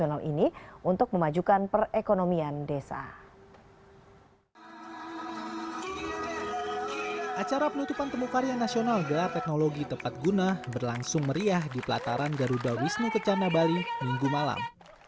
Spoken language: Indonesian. acara penutupan temu karya nasional gelar teknologi tepat guna berlangsung meriah di pelataran garuda wisnu kecana bali minggu malam